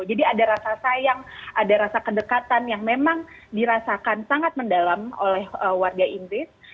jadi ada rasa sayang ada rasa kedekatan yang memang dirasakan sangat mendalam oleh warga inggris